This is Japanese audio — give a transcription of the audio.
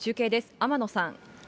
天野さん。